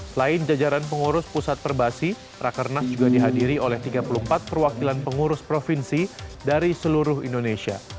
selain jajaran pengurus pusat perbasi rakernas juga dihadiri oleh tiga puluh empat perwakilan pengurus provinsi dari seluruh indonesia